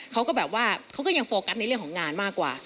เขาก็แบบว่าเขาก็ยังโฟกัสในเรื่องของงานมากกว่า